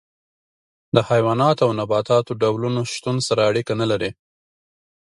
د حیواناتو او نباتاتو ډولونو شتون سره اړیکه نه لري.